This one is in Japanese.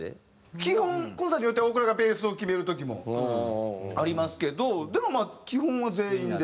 基本コンサートで言うたら大倉がベースを決める時もありますけどでもまあ基本は全員で。